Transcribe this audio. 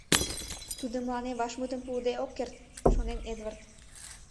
“Тудо мыланем вашмутым пуыде ок керт!” — шонен Эдвард.